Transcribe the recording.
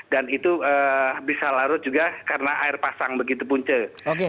dan itu bisa larut juga karena air pasang begitu bunce